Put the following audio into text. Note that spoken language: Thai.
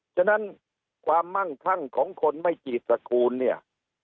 ฉะนั้นความมั่งคั่งของคนไม่จีบตระกูลเนี่ย